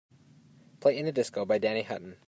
play In The Disco by Danny Hutton